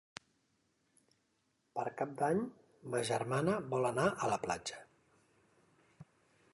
Per Cap d'Any ma germana vol anar a la platja.